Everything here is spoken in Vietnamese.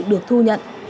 được thu nhận